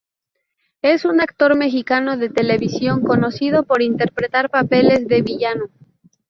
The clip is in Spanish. Es un actor mexicano de television conocido por interpretar papeles de villano.